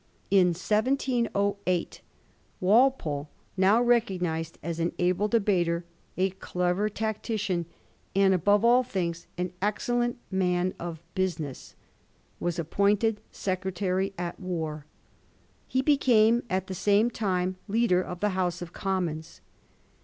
In 1708 Walpole, now pecog nised as an able debater, a clever tactician, and, above all things, an excellent man of business, was appointed Secretary at War. He became at the same time leader of the House of Commons.